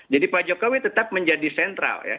jadi pak jokowi tetap menjadi sentral